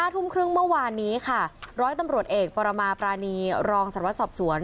ทุ่มครึ่งเมื่อวานนี้ค่ะร้อยตำรวจเอกปรมาปรานีรองสารวัตรสอบสวน